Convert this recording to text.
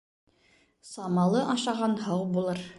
Самалы ашаған һау булыр.